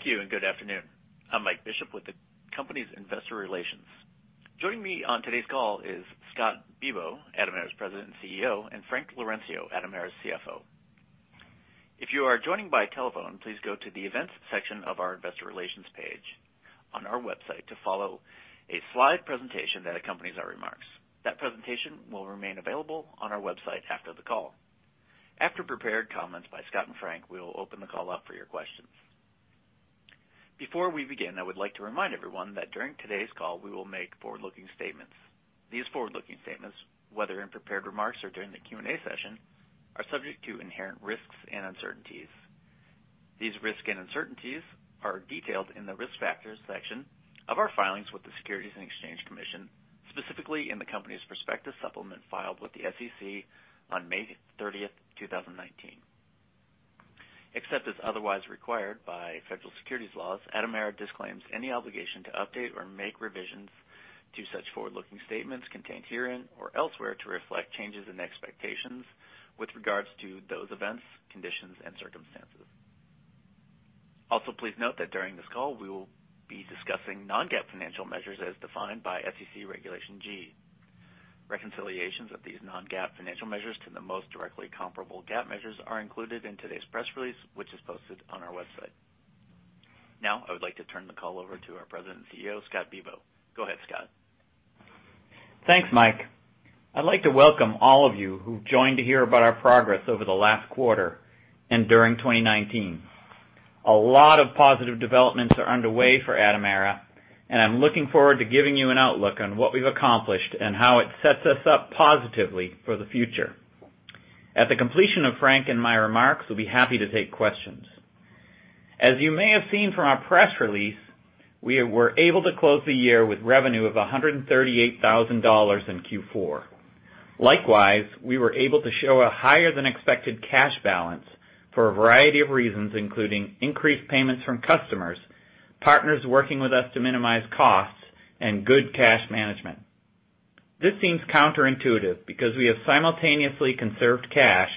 Thank you and good afternoon. I'm Mike Bishop with the company's investor relations. Joining me on today's call is Scott Bibaud, Atomera's President and CEO, and Frank Laurencio, Atomera's CFO. If you are joining by telephone, please go to the Events section of our investor relations page on our website to follow a slide presentation that accompanies our remarks. That presentation will remain available on our website after the call. After prepared comments by Scott and Frank, we will open the call up for your questions. Before we begin, I would like to remind everyone that during today's call, we will make forward-looking statements. These forward-looking statements, whether in prepared remarks or during the Q&A session, are subject to inherent risks and uncertainties. These risks and uncertainties are detailed in the Risk Factors section of our filings with the Securities and Exchange Commission, specifically in the company's perspective supplement filed with the SEC on May 30th, 2019. Except as otherwise required by federal securities laws, Atomera disclaims any obligation to update or make revisions to such forward-looking statements contained herein or elsewhere to reflect changes in expectations with regards to those events, conditions, and circumstances. Please note that during this call, we will be discussing non-GAAP financial measures as defined by SEC Regulation G. Reconciliations of these non-GAAP financial measures to the most directly comparable GAAP measures are included in today's press release, which is posted on our website. Now, I would like to turn the call over to our President and CEO, Scott Bibaud. Go ahead, Scott. Thanks, Mike. I'd like to welcome all of you who've joined to hear about our progress over the last quarter and during 2019. A lot of positive developments are underway for Atomera, and I'm looking forward to giving you an outlook on what we've accomplished and how it sets us up positively for the future. At the completion of Frank and my remarks, we'll be happy to take questions. As you may have seen from our press release, we were able to close the year with revenue of $138,000 in Q4. Likewise, we were able to show a higher-than-expected cash balance for a variety of reasons, including increased payments from customers, partners working with us to minimize costs, and good cash management. This seems counterintuitive because we have simultaneously conserved cash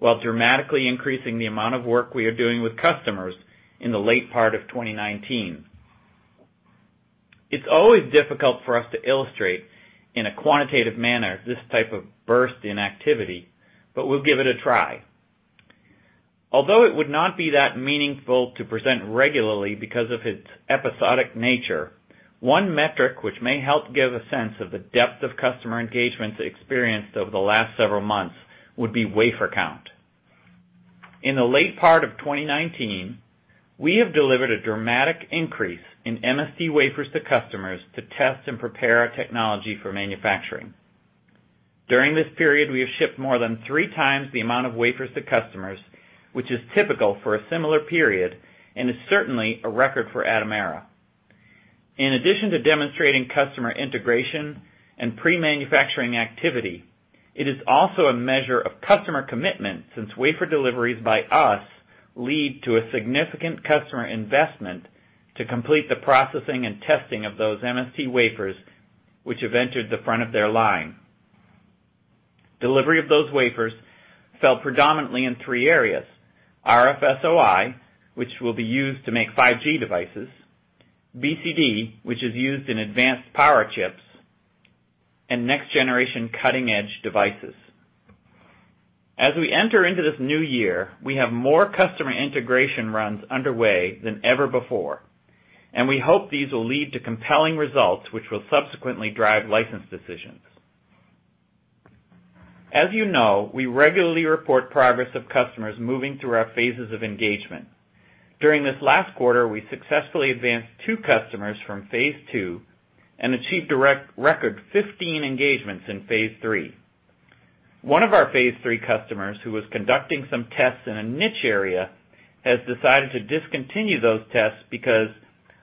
while dramatically increasing the amount of work we are doing with customers in the late part of 2019. It's always difficult for us to illustrate, in a quantitative manner, this type of burst in activity, but we'll give it a try. Although it would not be that meaningful to present regularly because of its episodic nature, one metric which may help give a sense of the depth of customer engagements experienced over the last several months would be wafer count. In the late part of 2019, we have delivered a dramatic increase in MST wafers to customers to test and prepare our technology for manufacturing. During this period, we have shipped more than three times the amount of wafers to customers, which is typical for a similar period and is certainly a record for Atomera. In addition to demonstrating customer integration and pre-manufacturing activity, it is also a measure of customer commitment since wafer deliveries by us lead to a significant customer investment to complete the processing and testing of those MST wafers, which have entered the front of their line. Delivery of those wafers fell predominantly in three areas: RF-SOI, which will be used to make 5G devices, BCD, which is used in advanced power chips, and next generation cutting-edge devices. As we enter into this new year, we have more customer integration runs underway than ever before, and we hope these will lead to compelling results which will subsequently drive license decisions. As you know, we regularly report progress of customers moving through our phases of engagement. During this last quarter, we successfully advanced two customers from Phase 2 and achieved a record 15 engagements in Phase 3. One of our Phase 3 customers who was conducting some tests in a niche area has decided to discontinue those tests because,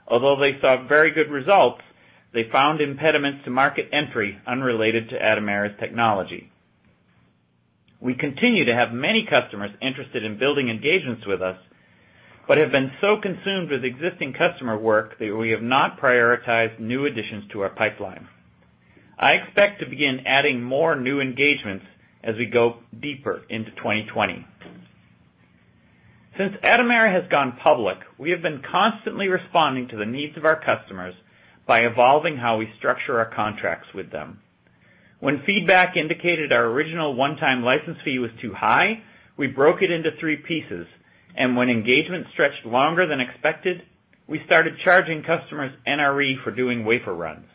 although they saw very good results, they found impediments to market entry unrelated to Atomera's technology. We continue to have many customers interested in building engagements with us but have been so consumed with existing customer work that we have not prioritized new additions to our pipeline. I expect to begin adding more new engagements as we go deeper into 2020. Since Atomera has gone public, we have been constantly responding to the needs of our customers by evolving how we structure our contracts with them. When feedback indicated our original one-time license fee was too high, we broke it into three pieces, and when engagements stretched longer than expected, we started charging customers NRE for doing wafer runs.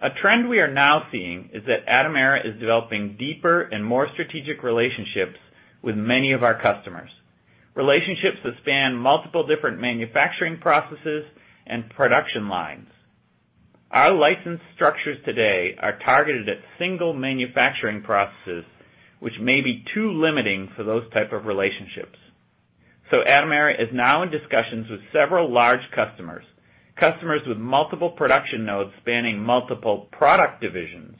A trend we are now seeing is that Atomera is developing deeper and more strategic relationships with many of our customers, relationships that span multiple different manufacturing processes and production lines. Our license structures today are targeted at single manufacturing processes, which may be too limiting for those type of relationships. Atomera is now in discussions with several large customers with multiple production nodes spanning multiple product divisions,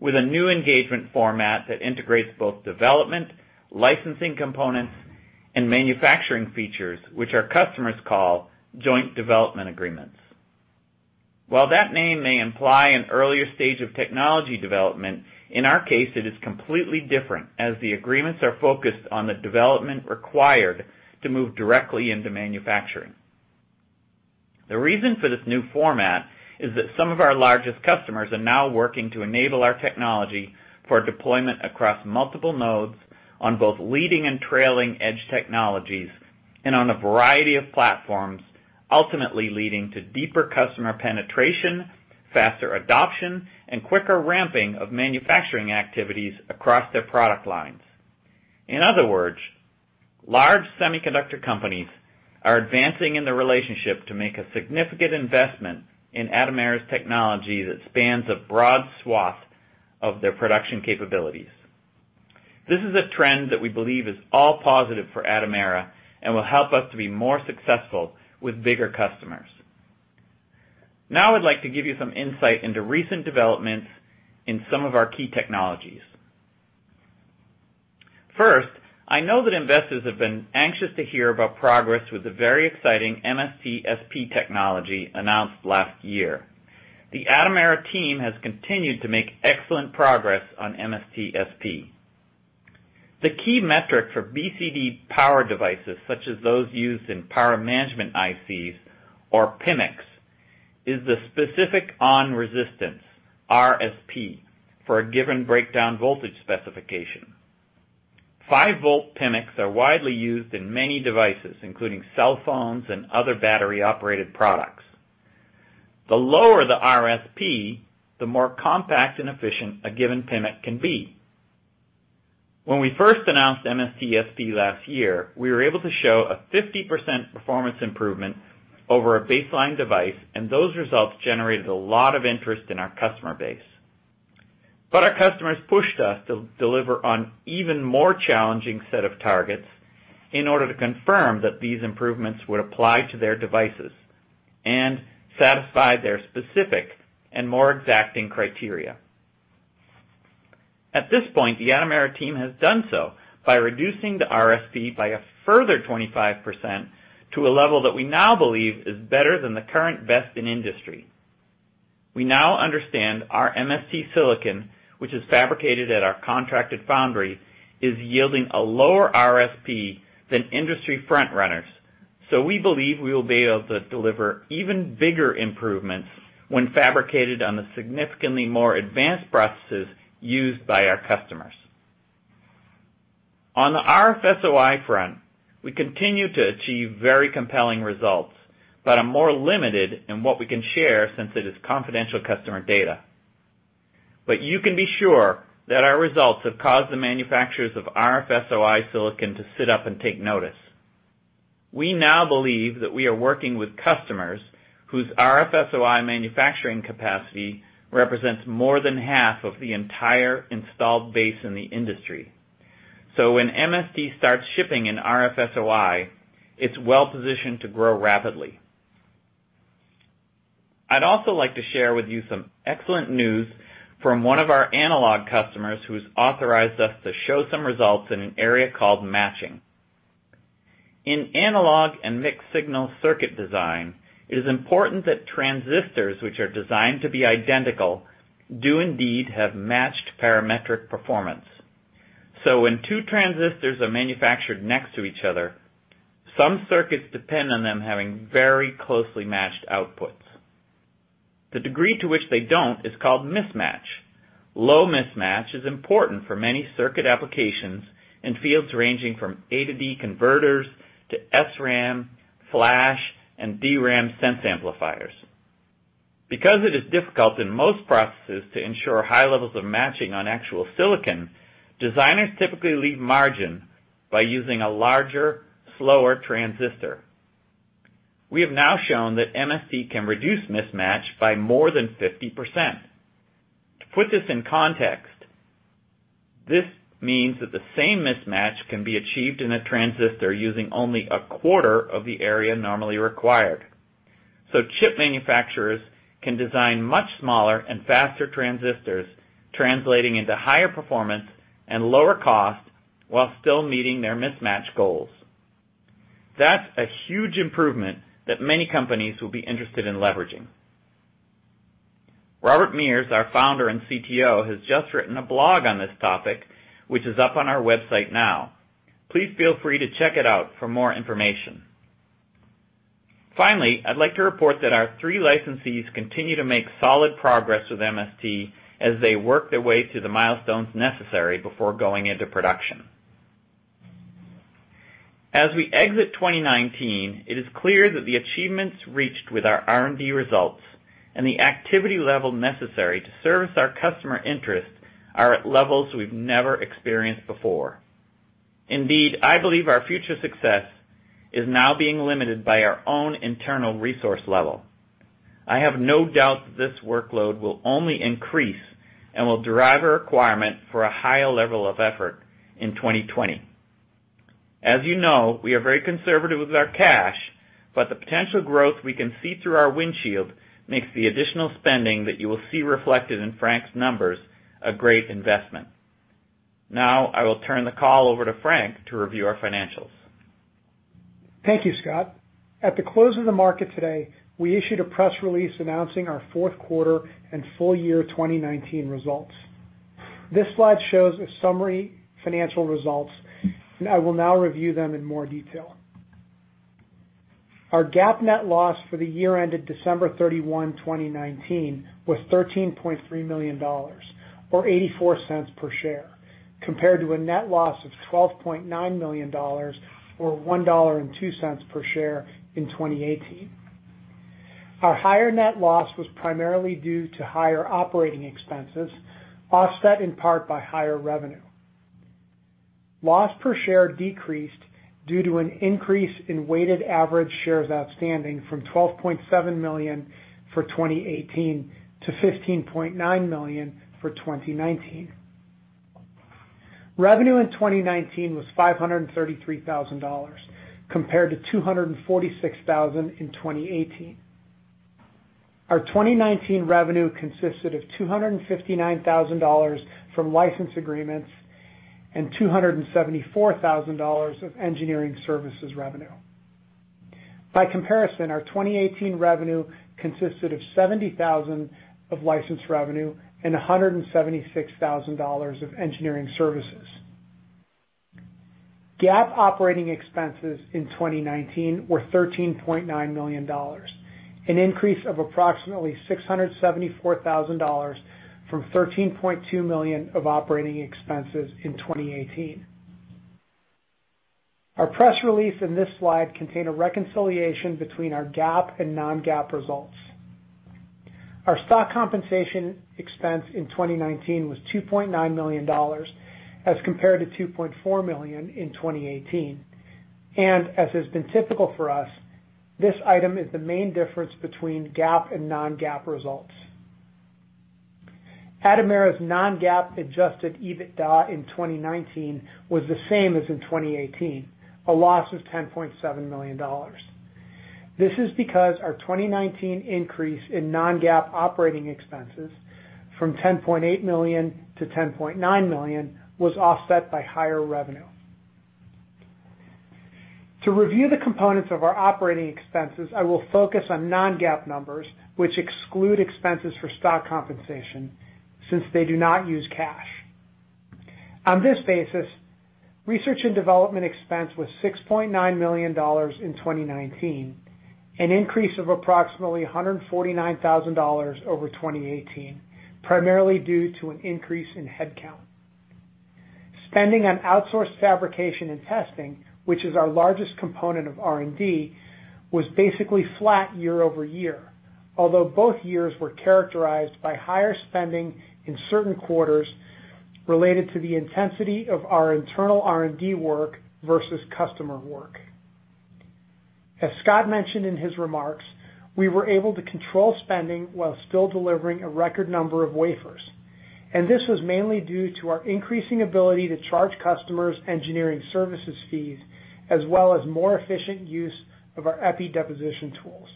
with a new engagement format that integrates both development, licensing components, and manufacturing features, which our customers call joint development agreements. While that name may imply an earlier stage of technology development, in our case it is completely different, as the agreements are focused on the development required to move directly into manufacturing. The reason for this new format is that some of our largest customers are now working to enable our technology for deployment across multiple nodes on both leading and trailing edge technologies, and on a variety of platforms, ultimately leading to deeper customer penetration, faster adoption, and quicker ramping of manufacturing activities across their product lines. In other words, large semiconductor companies are advancing in the relationship to make a significant investment in Atomera's technology that spans a broad swath of their production capabilities. This is a trend that we believe is all positive for Atomera and will help us to be more successful with bigger customers. Now, I'd like to give you some insight into recent developments in some of our key technologies. First, I know that investors have been anxious to hear about progress with the very exciting MST-SP technology announced last year. The Atomera team has continued to make excellent progress on MST-SP. The key metric for BCD power devices, such as those used in power management ICs, or PMICs, is the specific on-resistance, RSP, for a given breakdown voltage specification. 5 volt PMICs are widely used in many devices, including cell phones and other battery-operated products. The lower the RSP, the more compact and efficient a given PMIC can be. When we first announced MST-SP last year, we were able to show a 50% performance improvement over a baseline device, and those results generated a lot of interest in our customer base. Our customers pushed us to deliver on even more challenging set of targets in order to confirm that these improvements would apply to their devices and satisfy their specific and more exacting criteria. At this point, the Atomera team has done so by reducing the RSP by a further 25% to a level that we now believe is better than the current best in industry. We now understand our MST silicon, which is fabricated at our contracted foundry, is yielding a lower RSP than industry front runners. We believe we will be able to deliver even bigger improvements when fabricated on the significantly more advanced processes used by our customers. On the RF-SOI front, we continue to achieve very compelling results, but are more limited in what we can share since it is confidential customer data. You can be sure that our results have caused the manufacturers of RF-SOI silicon to sit up and take notice. We now believe that we are working with customers whose RF-SOI manufacturing capacity represents more than half of the entire installed base in the industry. When MST starts shipping in RF-SOI, it's well-positioned to grow rapidly. I'd also like to share with you some excellent news from one of our analog customers who's authorized us to show some results in an area called matching. In analog and mixed signal circuit design, it is important that transistors, which are designed to be identical, do indeed have matched parametric performance. When two transistors are manufactured next to each other, some circuits depend on them having very closely matched outputs. The degree to which they don't is called mismatch. Low mismatch is important for many circuit applications in fields ranging from A/D converters to SRAM, Flash, and DRAM sense amplifiers. It is difficult in most processes to ensure high levels of matching on actual silicon, designers typically leave margin by using a larger, slower transistor. We have now shown that MST can reduce mismatch by more than 50%. To put this in context, this means that the same mismatch can be achieved in a transistor using only a quarter of the area normally required. Chip manufacturers can design much smaller and faster transistors, translating into higher performance and lower cost while still meeting their mismatch goals. That's a huge improvement that many companies will be interested in leveraging. Robert Mears, our Founder and CTO, has just written a blog on this topic, which is up on our website now. Please feel free to check it out for more information. Finally, I'd like to report that our three licensees continue to make solid progress with MST as they work their way through the milestones necessary before going into production. As we exit 2019, it is clear that the achievements reached with our R&D results and the activity level necessary to service our customer interests are at levels we've never experienced before. Indeed, I believe our future success is now being limited by our own internal resource level. I have no doubt that this workload will only increase and will derive a requirement for a higher level of effort in 2020. As you know, we are very conservative with our cash, but the potential growth we can see through our windshield makes the additional spending that you will see reflected in Frank's numbers a great investment. Now, I will turn the call over to Frank to review our financials. Thank you, Scott. At the close of the market today, we issued a press release announcing our fourth quarter and full year 2019 results. This slide shows a summary financial results, I will now review them in more detail. Our GAAP net loss for the year ended December 31, 2019 was $13.3 million, or $0.84 per share, compared to a net loss of $12.9 million, or $1.02 per share in 2018. Our higher net loss was primarily due to higher operating expenses, offset in part by higher revenue. Loss per share decreased due to an increase in weighted average shares outstanding from 12.7 million for 2018 to 15.9 million for 2019. Revenue in 2019 was $533,000, compared to $246,000 in 2018. Our 2019 revenue consisted of $259,000 from license agreements and $274,000 of engineering services revenue. By comparison, our 2018 revenue consisted of $70,000 of license revenue and $176,000 of engineering services. GAAP operating expenses in 2019 were $13.9 million, an increase of approximately $674,000 from $13.2 million of operating expenses in 2018. Our press release in this slide contain a reconciliation between our GAAP and non-GAAP results. Our stock compensation expense in 2019 was $2.9 million as compared to $2.4 million in 2018. As has been typical for us, this item is the main difference between GAAP and non-GAAP results. Atomera's non-GAAP adjusted EBITDA in 2019 was the same as in 2018, a loss of $10.7 million. This is because our 2019 increase in non-GAAP operating expenses from $10.8 million to $10.9 million was offset by higher revenue. To review the components of our operating expenses, I will focus on non-GAAP numbers which exclude expenses for stock compensation, since they do not use cash. On this basis, research and development expense was $6.9 million in 2019, an increase of approximately $149,000 over 2018, primarily due to an increase in headcount. Spending on outsourced fabrication and testing, which is our largest component of R&D, was basically flat year-over-year, although both years were characterized by higher spending in certain quarters related to the intensity of our internal R&D work versus customer work. As Scott mentioned in his remarks, we were able to control spending while still delivering a record number of wafers, and this was mainly due to our increasing ability to charge customers engineering services fees, as well as more efficient use of our EPI deposition tools.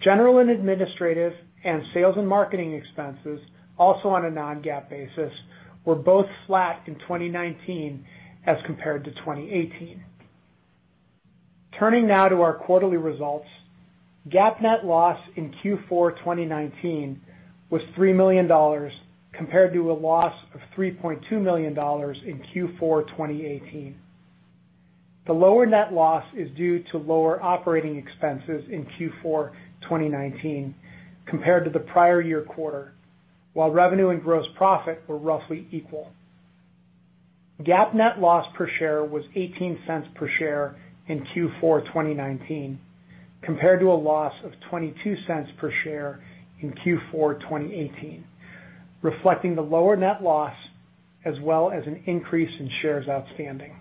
General and administrative and sales and marketing expenses, also on a non-GAAP basis, were both flat in 2019 as compared to 2018. Turning now to our quarterly results. GAAP net loss in Q4 2019 was $3 million compared to a loss of $3.2 million in Q4 2018. The lower net loss is due to lower operating expenses in Q4 2019 compared to the prior year quarter, while revenue and gross profit were roughly equal. GAAP net loss per share was $0.18 per share in Q4 2019 compared to a loss of $0.22 per share in Q4 2018, reflecting the lower net loss, as well as an increase in shares outstanding.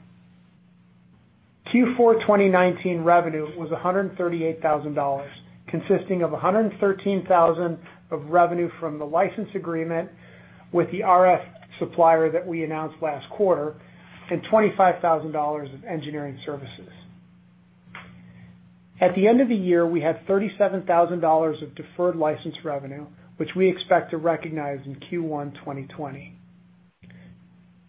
Q4 2019 revenue was $138,000, consisting of $113,000 of revenue from the license agreement with the RF supplier that we announced last quarter, and $25,000 of engineering services. At the end of the year, we had $37,000 of deferred license revenue, which we expect to recognize in Q1 2020.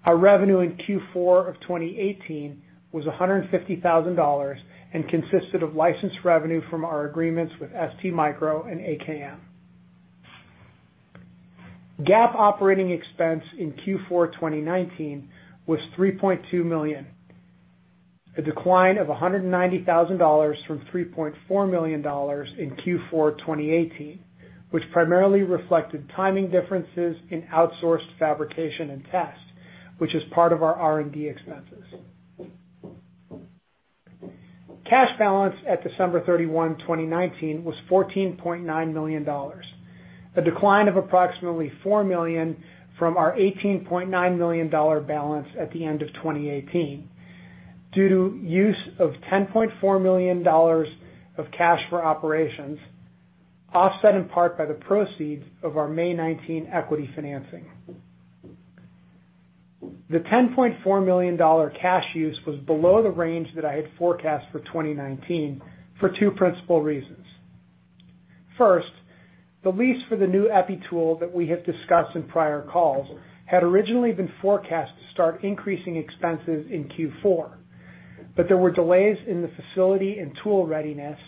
Our revenue in Q4 of 2018 was $150,000 and consisted of license revenue from our agreements with STMicro and AKM. GAAP operating expense in Q4 2019 was $3.2 million, a decline of $190,000 from $3.4 million in Q4 2018, which primarily reflected timing differences in outsourced fabrication and test, which is part of our R&D expenses. Cash balance at December 31, 2019 was $14.9 million, a decline of approximately $4 million from our $18.9 million balance at the end of 2018 due to use of $10.4 million of cash for operations, offset in part by the proceeds of our May 2019 equity financing. The $10.4 million cash use was below the range that I had forecast for 2019 for two principal reasons. First, the lease for the new EPI tool that we have discussed in prior calls had originally been forecast to start increasing expenses in Q4. But here were delays in the facility and tool readiness,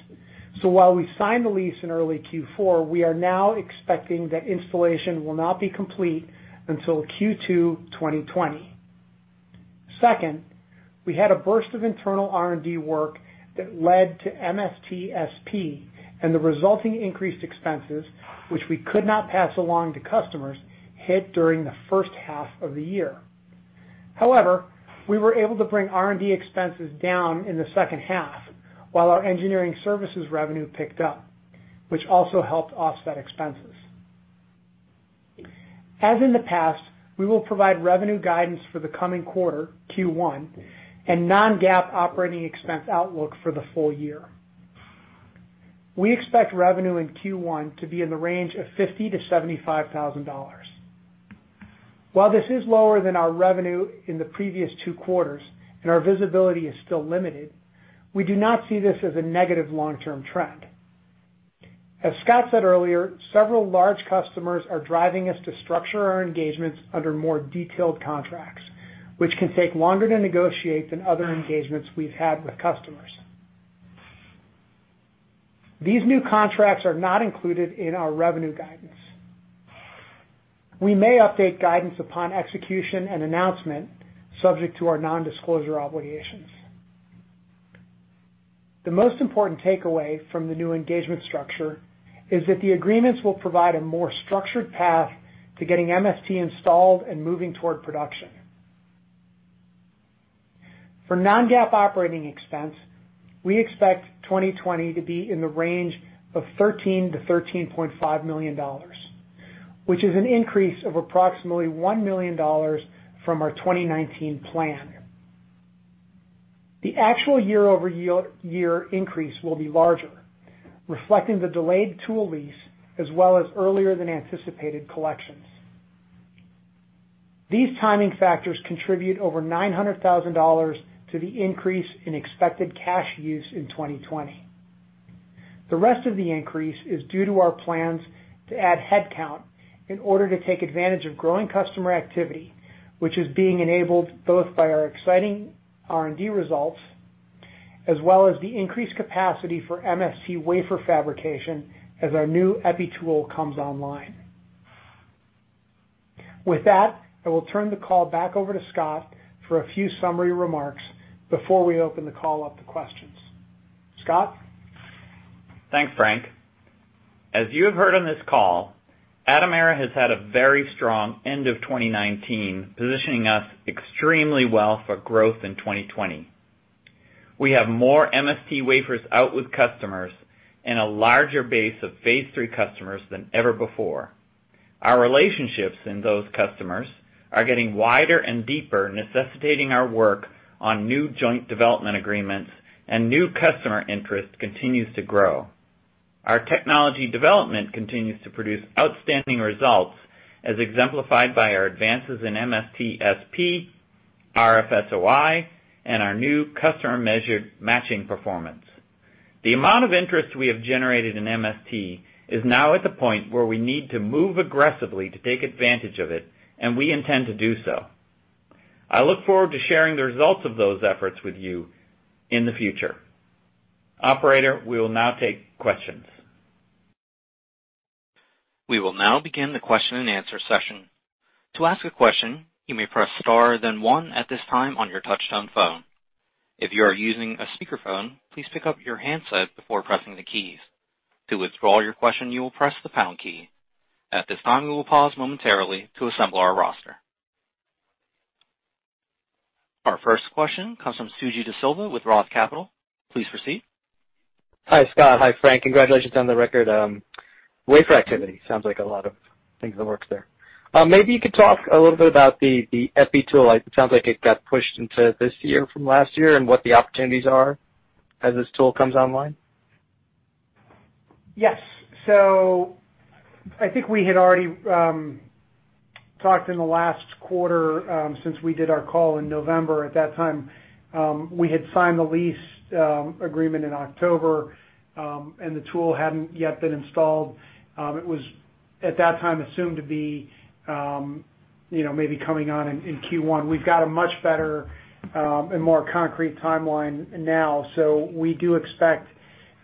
so while we signed the lease in early Q4, we are now expecting that installation will not be complete until Q2 2020. Second, we had a burst of internal R&D work that led to MST-SP and the resulting increased expenses, which we could not pass along to customers, hit during the first half of the year. However, we were able to bring R&D expenses down in the second half while our engineering services revenue picked up, which also helped offset expenses. As in the past, we will provide revenue guidance for the coming quarter, Q1, and non-GAAP operating expense outlook for the full year. We expect revenue in Q1 to be in the range of $50,000-$75,000. While this is lower than our revenue in the previous two quarters and our visibility is still limited, we do not see this as a negative long-term trend. As Scott said earlier, several large customers are driving us to structure our engagements under more detailed contracts, which can take longer to negotiate than other engagements we've had with customers. These new contracts are not included in our revenue guidance. We may update guidance upon execution and announcement subject to our non-disclosure obligations. The most important takeaway from the new engagement structure is that the agreements will provide a more structured path to getting MST installed and moving toward production. For non-GAAP operating expense, we expect 2020 to be in the range of $13 million-$13.5 million, which is an increase of approximately $1 million from our 2019 plan. The actual year-over-year increase will be larger, reflecting the delayed tool lease as well as earlier than anticipated collections. These timing factors contribute over $900,000 to the increase in expected cash use in 2020. The rest of the increase is due to our plans to add headcount in order to take advantage of growing customer activity, which is being enabled both by our exciting R&D results as well as the increased capacity for MST wafer fabrication as our new EPI tool comes online. With that, I will turn the call back over to Scott for a few summary remarks before we open the call up to questions. Scott? Thanks, Frank. As you have heard on this call, Atomera has had a very strong end of 2019, positioning us extremely well for growth in 2020. We have more MST wafers out with customers and a larger base of Phase 3 customers than ever before. Our relationships in those customers are getting wider and deeper, necessitating our work on new joint development agreements and new customer interest continues to grow. Our technology development continues to produce outstanding results as exemplified by our advances in MST-SP, RF-SOI, and our new customer measured matching performance. The amount of interest we have generated in MST is now at the point where we need to move aggressively to take advantage of it, and we intend to do so. I look forward to sharing the results of those efforts with you in the future. Operator, we will now take questions. We will now begin the question-and-answer session. To ask a question, you may press star then one at this time on your touchtone phone. If you are using a speakerphone, please pick up your handset before pressing the keys. To withdraw your question, you will press the pound key. At this time, we will pause momentarily to assemble our roster. Our first question comes from Suji DeSilva with ROTH Capital. Please proceed. Hi, Scott. Hi, Frank. Congratulations on the record wafer activity. Sounds like a lot of things in the works there. Maybe you could talk a little bit about the EPI tool. It sounds like it got pushed into this year from last year and what the opportunities are as this tool comes online. Yes. I think we had already talked in the last quarter, since we did our call in November at that time. We had signed the lease agreement in October, the tool hadn't yet been installed. It was at that time assumed to be maybe coming on in Q1. We've got a much better and more concrete timeline now. We do expect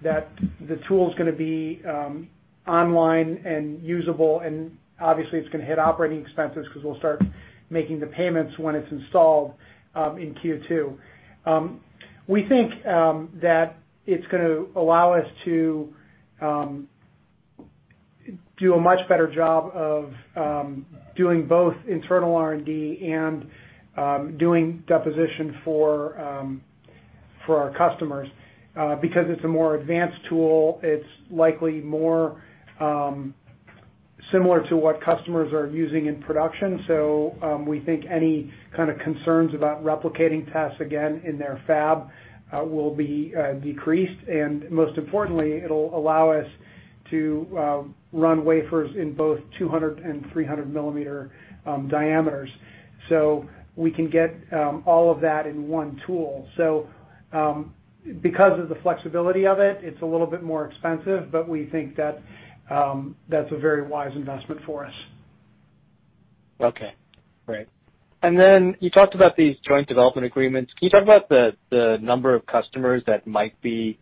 that the tool's going to be online and usable, and obviously it's going to hit operating expenses because we'll start making the payments when it's installed, in Q2. We think that it's going to allow us to do a much better job of doing both internal R&D and doing deposition for our customers. It's a more advanced tool, it's likely more similar to what customers are using in production. We think any kind of concerns about replicating tests again in their fab will be decreased, and most importantly, it'll allow us to run wafers in both 200 mm and 300 mm diameters. We can get all of that in one tool. Because of the flexibility of it's a little bit more expensive, but we think that's a very wise investment for us. Okay. Great. And then you talked about these joint development agreements. Can you talk about the number of customers that might be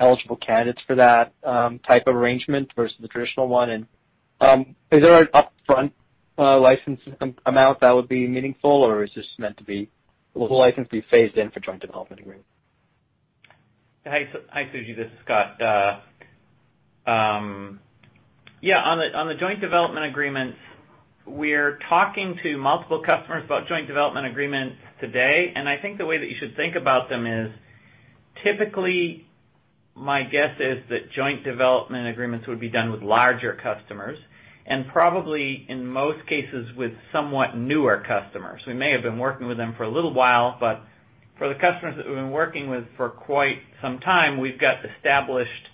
eligible candidates for that type of arrangement versus the traditional one? Is there an upfront license amount that would be meaningful, or is this meant to be, will the license be phased in for joint development agreement? Hi, Suji, this is Scott. Yeah, on the joint development agreements, we're talking to multiple customers about joint development agreements today. I think the way that you should think about them is, typically, my guess is that joint development agreements would be done with larger customers, and probably, in most cases, with somewhat newer customers. We may have been working with them for a little while, but for the customers that we've been working with for quite some time, we've got established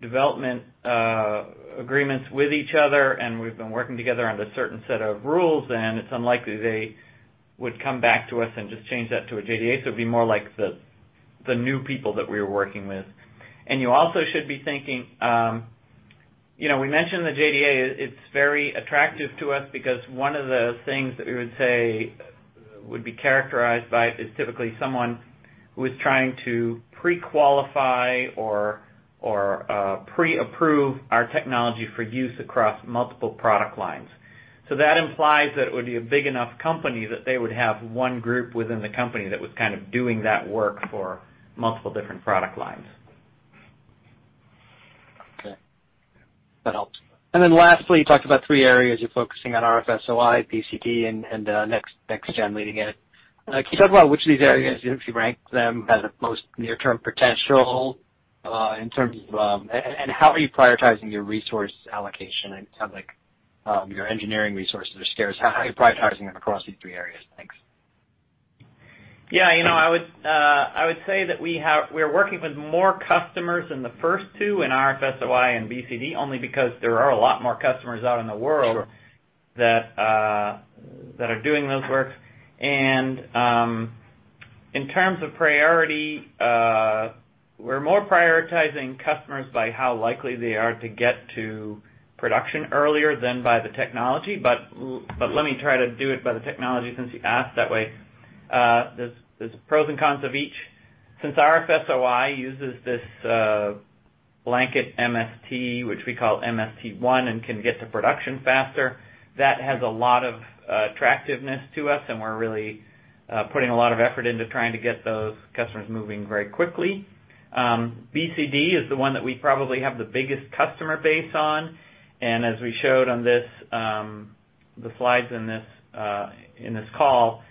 development agreements with each other. We've been working together under a certain set of rules. It's unlikely they would come back to us and just change that to a JDA. It'd be more like the new people that we're working with. And you also should be thinking, we mentioned the JDA, it's very attractive to us because one of the things that we would say would be characterized by is typically someone who is trying to pre-qualify or pre-approve our technology for use across multiple product lines. That implies that it would be a big enough company that they would have one group within the company that was kind of doing that work for multiple different product lines. Okay. That helps. And then lastly, you talked about three areas you're focusing on, RF-SOI, BCD, and next gen leading edge. Can you talk about which of these areas, if you rank them, has the most near-term potential, and how are you prioritizing your resource allocation and kind of like your engineering resources are scarce, how are you prioritizing them across these three areas? Thanks. Yeah. I would say that we're working with more customers in the first two, in RF-SOI and BCD, only because there are a lot more customers out in the world that are doing those works. In terms of priority, we're more prioritizing customers by how likely they are to get to production earlier than by the technology. Let me try to do it by the technology since you asked that way. There's pros and cons of each. Since RF-SOI uses this blanket MST, which we call MST One, and can get to production faster, that has a lot of attractiveness to us, and we're really putting a lot of effort into trying to get those customers moving very quickly. BCD is the one that we probably have the biggest customer base on, and as we showed on the slides in this call,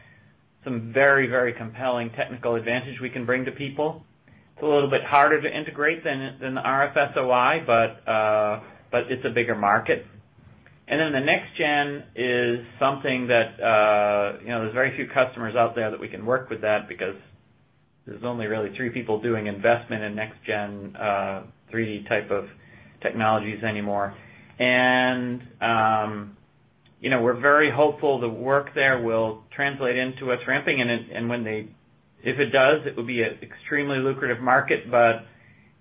some very, very compelling technical advantage we can bring to people. It's a little bit harder to integrate than the RF-SOI, but it's a bigger market. And then the next gen is something that there's very few customers out there that we can work with that because there's only really three people doing investment in next gen 3D type of technologies anymore. And we're very hopeful the work there will translate into us ramping, and if it does, it will be an extremely lucrative market, but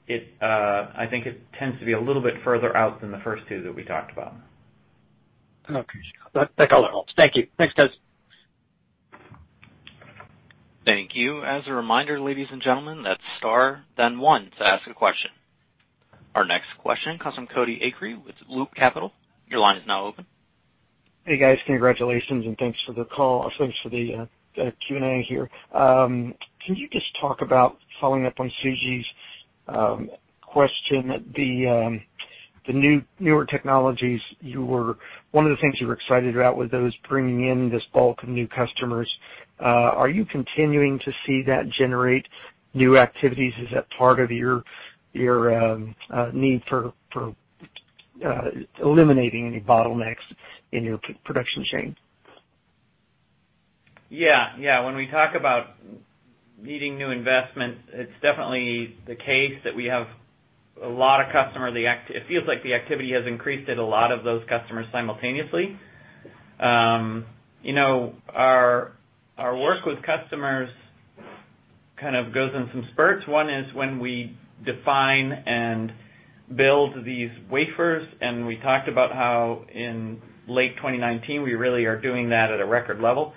I think it tends to be a little bit further out than the first two that we talked about. Okay, Scott. That helps. Thank you. Thanks, guys. Thank you. As a reminder, ladies and gentlemen, that's star then one to ask a question. Our next question comes from Cody Acree with Loop Capital. Your line is now open. Hey, guys. Congratulations and thanks for the call. Thanks for the Q&A here. Can you just talk about, following up on Suji's question that the newer technologies, you were, one of the things you were excited about with those bringing in this bulk of new customers, are you continuing to see that generate new activities? Is that part of your need for eliminating any bottlenecks in your production chain? Yeah. Yeah. When we talk about needing new investment, it's definitely the case that we have a lot of customer. It feels like the activity has increased at a lot of those customers simultaneously. Our work with customers kind of goes in some spurts. One is when we define and build these wafers, and we talked about how in late 2019, we really are doing that at a record level.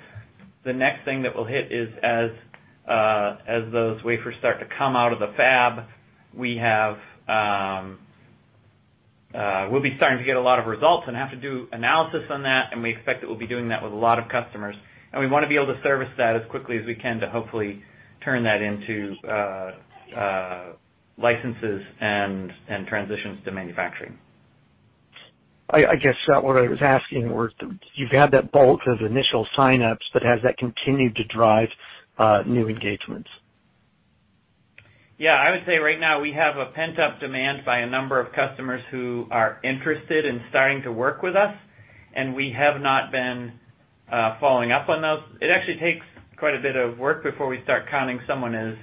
The next thing that we'll hit is as those wafers start to come out of the fab, we have, we'll be starting to get a lot of results and have to do analysis on that, and we expect that we'll be doing that with a lot of customers. We want to be able to service that as quickly as we can to hopefully turn that into licenses and transitions to manufacturing. I guess what I was asking was, you've had that bulk of initial sign-ups, but has that continued to drive new engagements? Yeah. I would say right now we have a pent-up demand by a number of customers who are interested in starting to work with us, and we have not been following up on those. It actually takes quite a bit of work before we start counting someone as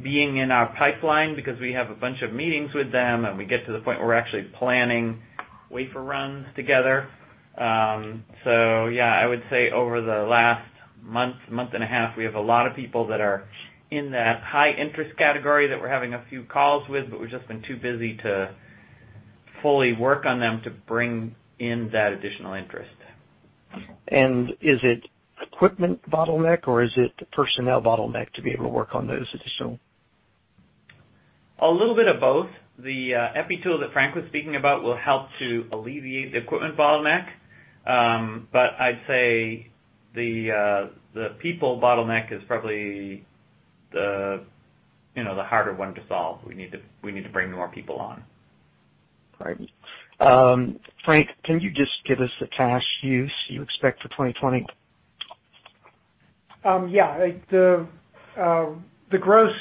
being in our pipeline because we have a bunch of meetings with them, and we get to the point where we're actually planning wafer runs together. Yeah, I would say over the last month and a half, we have a lot of people that are in that high interest category that we're having a few calls with, but we've just been too busy to fully work on them to bring in that additional interest. And is it equipment bottleneck or is it personnel bottleneck to be able to work on those additional? A little bit of both. The EPI tool that Frank was speaking about will help to alleviate the equipment bottleneck. I'd say the people bottleneck is probably the harder one to solve. We need to bring more people on. Right. Frank, can you just give us the cash use you expect for 2020? Yeah. The gross,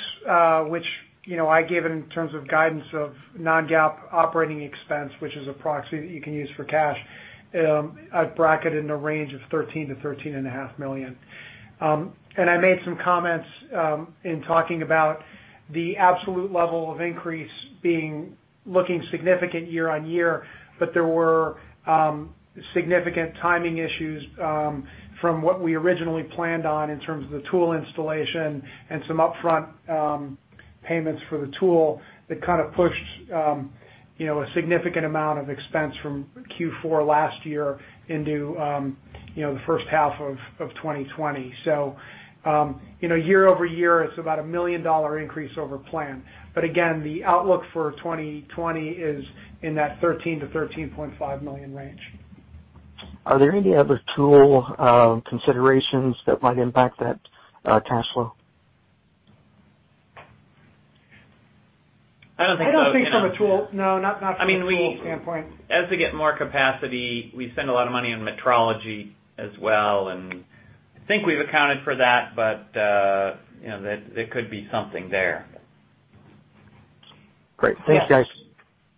which I gave it in terms of guidance of non-GAAP operating expense, which is a proxy that you can use for cash, I've bracketed in a range of $13 million-$13.5 million. I made some comments, in talking about the absolute level of increase looking significant year-on-year, but there were significant timing issues, from what we originally planned on in terms of the tool installation and some upfront payments for the tool that kind of pushed a significant amount of expense from Q4 last year into the first half of 2020. Year-over-year it's about a $1 million increase over plan. But again, the outlook for 2020 is in that $13 million-$13.5 million range. Are there any other tool considerations that might impact that cash flow? I don't think so. I don't think from a tool, no, not from a tool standpoint. I mean, we, as we get more capacity, we spend a lot of money on metrology as well, and I think we've accounted for that, but there could be something there. Great. Thanks, guys.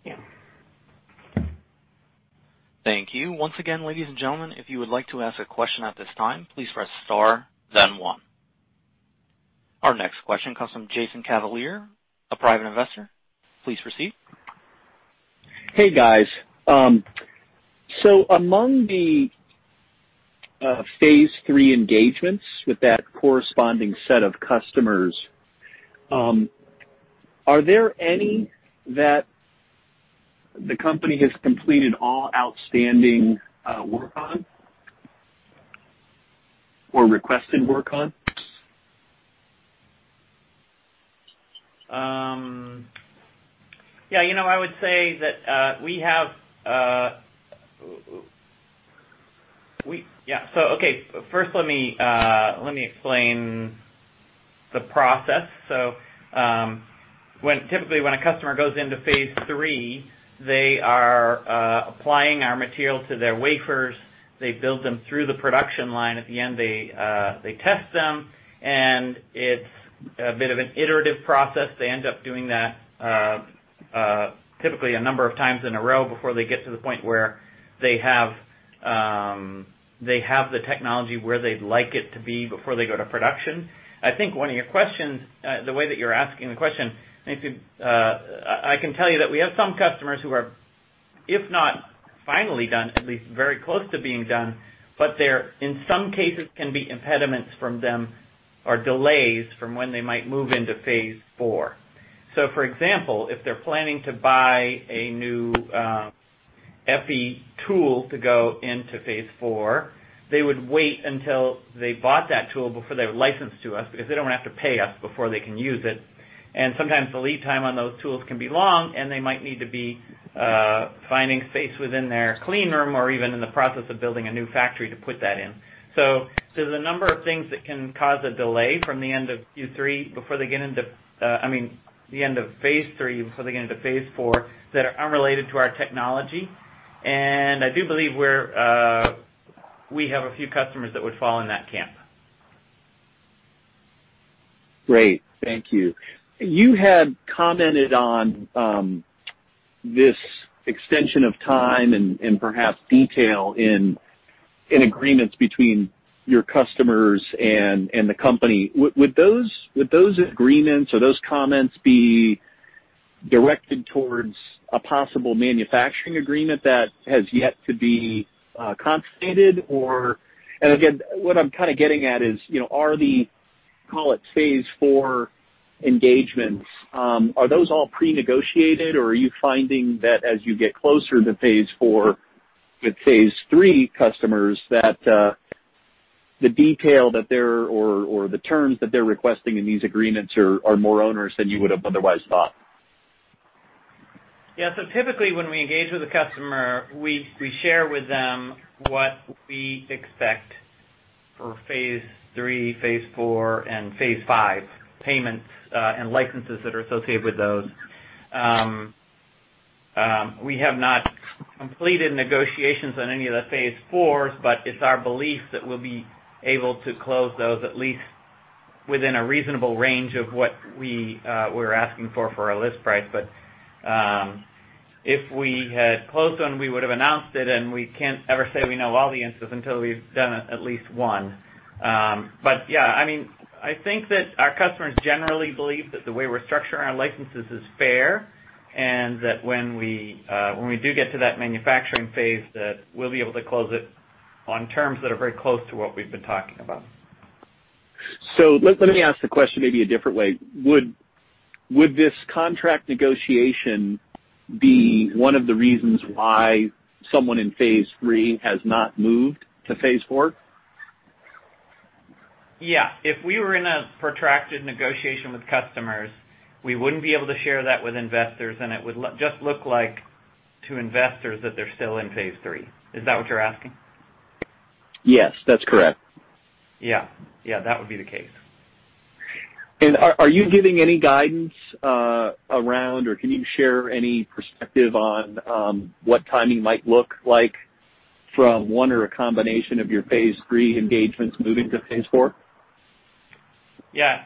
Yeah. Thank you. Once again, ladies and gentlemen, if you would like to ask a question at this time, please press star, then one. Our next question comes from Jason Cavalier, a private investor. Please proceed. Hey, guys. Among the Phase 3 engagements with that corresponding set of customers, are there any that the company has completed all outstanding work on or requested work on? Yeah, I would say that we have... So, okay, first, let me explain the process. Typically when a customer goes into Phase 3, they are applying our material to their wafers. They build them through the production line. At the end, they test them, and it's a bit of an iterative process. They end up doing that typically a number of times in a row before they get to the point where they have the technology where they'd like it to be before they go to production. I think one of your questions, the way that you're asking the question, I can tell you that we have some customers who are, if not finally done, at least very close to being done, but there in some cases can be impediments from them or delays from when they might move into Phase 4. For example, if they're planning to buy a new EPI tool to go into Phase 4, they would wait until they bought that tool before they would license to us, because they don't want to have to pay us before they can use it. Sometimes the lead time on those tools can be long, and they might need to be finding space within their clean room or even in the process of building a new factory to put that in. There's a number of things that can cause a delay from the end of Q3, before they get into, I mean, the end of Phase 3 before they get into Phase 4 that are unrelated to our technology. I do believe we have a few customers that would fall in that camp. Great. Thank you. You had commented on this extension of time and perhaps detail in agreements between your customers and the company. Would those agreements or those comments be directed towards a possible manufacturing agreement that has yet to be consummated, or? Again, what I'm kind of getting at is, are the, call it Phase 4 engagements, are those all pre-negotiated or are you finding that as you get closer to Phase 4 with Phase 3 customers, that the detail or the terms that they're requesting in these agreements are more onerous than you would've otherwise thought? Yeah. Typically when we engage with a customer, we share with them what we expect for Phase 3, Phase 4, and Phase 5 payments, and licenses that are associated with those. We have not completed negotiations on any of the phase IVs, but it's our belief that we'll be able to close those at least within a reasonable range of what we're asking for our list price. If we had closed one, we would've announced it, and we can't ever say we know all the answers until we've done at least one. But yeah, I think that our customers generally believe that the way we're structuring our licenses is fair, and that when we do get to that manufacturing phase, that we'll be able to close it on terms that are very close to what we've been talking about. Let me ask the question maybe a different way. Would this contract negotiation be one of the reasons why someone in Phase 3 has not moved to Phase 4? Yeah. If we were in a protracted negotiation with customers, we wouldn't be able to share that with investors, it would just look like to investors that they're still in Phase 3. Is that what you're asking? Yes, that's correct. Yeah. That would be the case. Are you giving any guidance around, or can you share any perspective on, what timing might look like from one or a combination of your Phase 3 engagements moving to Phase 4? Yeah.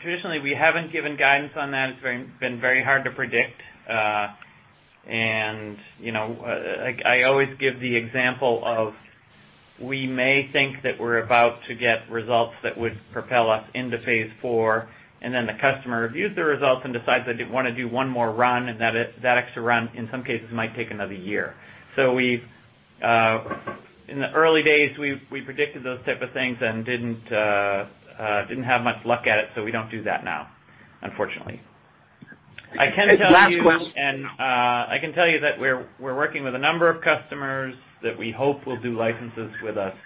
Traditionally, we haven't given guidance on that. It's been very hard to predict. I always give the example of, we may think that we're about to get results that would propel us into Phase 4, and then the customer reviews the results and decides they want to do one more run, and that extra run, in some cases, might take another year. In the early days, we predicted those type of things and didn't have much luck at it, so we don't do that now, unfortunately. Last question- I can tell you that we're working with a number of customers that we hope will do licenses with us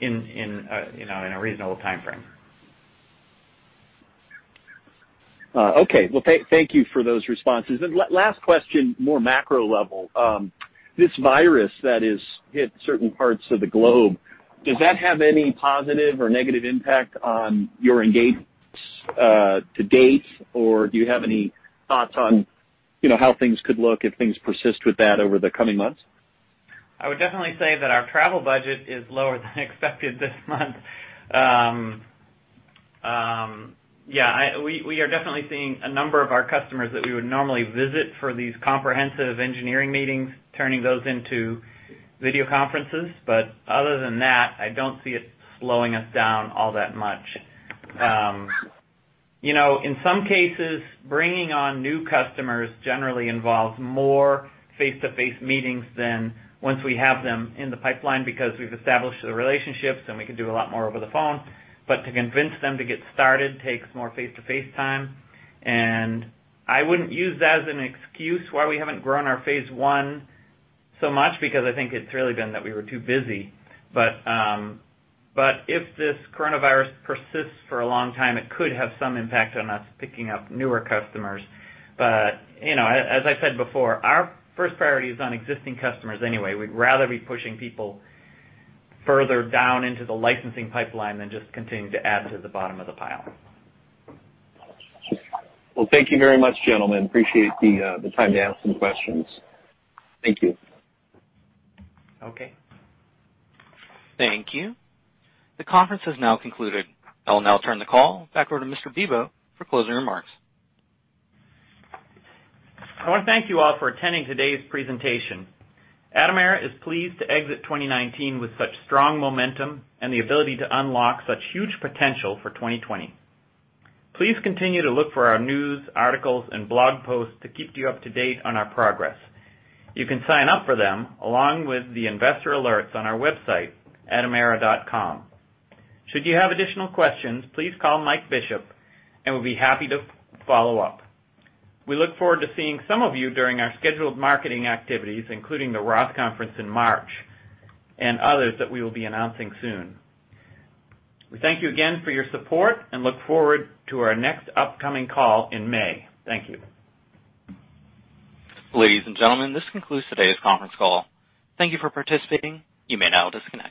in a reasonable timeframe. Okay. Well, thank you for those responses. Last question, more macro level. This virus that has hit certain parts of the globe, does that have any positive or negative impact on your engagements to date, or do you have any thoughts on how things could look if things persist with that over the coming months? I would definitely say that our travel budget is lower than expected this month. Yeah, we are definitely seeing a number of our customers that we would normally visit for these comprehensive engineering meetings, turning those into video conferences. But other than that, I don't see it slowing us down all that much. In some cases, bringing on new customers generally involves more face-to-face meetings than once we have them in the pipeline because we've established the relationships, and we can do a lot more over the phone. But to convince them to get started takes more face-to-face time, and I wouldn't use that as an excuse why we haven't grown our Phase 1 so much, because I think it's really been that we were too busy. If this coronavirus persists for a long time, it could have some impact on us picking up newer customers. As I said before, our first priority is on existing customers anyway. We'd rather be pushing people further down into the licensing pipeline than just continuing to add to the bottom of the pile. Well, thank you very much, gentlemen. Appreciate the time to ask some questions. Thank you. Okay. Thank you. The conference has now concluded. I will now turn the call back over to Mr. Bibaud for closing remarks. I want to thank you all for attending today's presentation. Atomera is pleased to exit 2019 with such strong momentum and the ability to unlock such huge potential for 2020. Please continue to look for our news, articles, and blog posts to keep you up to date on our progress. You can sign up for them, along with the investor alerts on our website, atomera.com. Should you have additional questions, please call Mike Bishop, and we'll be happy to follow up. We look forward to seeing some of you during our scheduled marketing activities, including the ROTH Conference in March and others that we will be announcing soon. We thank you again for your support and look forward to our next upcoming call in May. Thank you. Ladies and gentlemen, this concludes today's conference call. Thank you for participating. You may now disconnect.